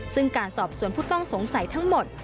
ซึ่งการสอบสวนผู้ต้องสงสัยทั้งหมด